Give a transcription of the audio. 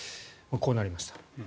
こうなりました。